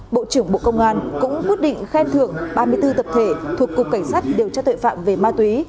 bộ trưởng bộ công an cũng quyết định khen thưởng ba mươi bốn tập thể thuộc cục cảnh sát điều tra tội phạm về ma túy